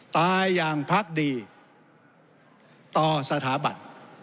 ตายอย่างพักดีต่อสถาบัน